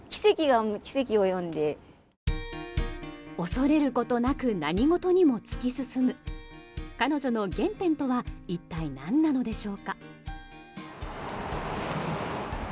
恐れることなく何事にも突き進む彼女の原点とは一体何なのでしょうか。